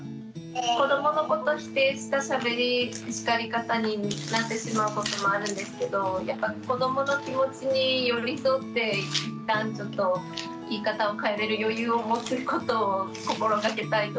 子どものこと否定したしゃべり叱り方になってしまうこともあるんですけどやっぱり子どもの気持ちに寄り添って一旦ちょっと言い方を変えれる余裕を持つことを心がけたいと思います。